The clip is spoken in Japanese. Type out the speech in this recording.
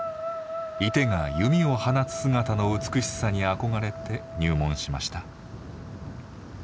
射手が弓を放つ姿の美しさに憧れて入門しました。